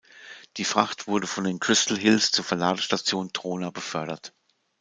Die Fracht wurde von den Crystal Hills zur Verladestation Trona befördert.